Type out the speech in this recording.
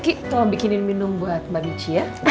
ki tolong bikinin minum buat mbak mici ya